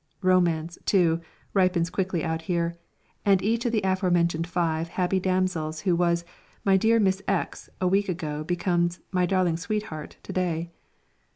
Romance, too, ripens quickly out here, and each of the aforementioned five happy damsels who was "My dear Miss X" a week ago becomes "My darling sweetheart" to day.